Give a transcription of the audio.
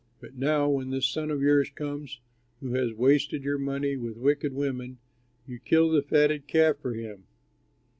But now when this son of yours comes, who has wasted your money with wicked women, you kill the fatted calf for him!'